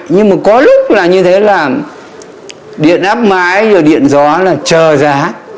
nhưng mà có lúc là như thế là điện áp mái rồi điện gió là chờ giá